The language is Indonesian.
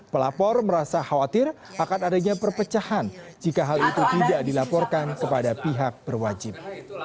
pelapor merasa khawatir akan adanya perpecahan jika hal itu tidak dilaporkan kepada pihak berwajib